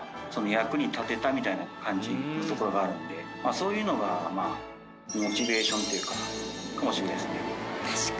そういうのがモチベーションっていうかかもしれないですね。